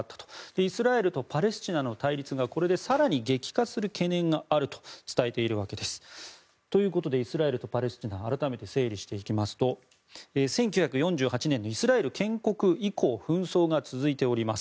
イスラエルとパレスチナの対立がこれで更に激化する懸念があると伝えているわけです。ということでイスラエルとパレスチナ改めて整理していきますと１９４８年のイスラエル建国以降紛争が続いております。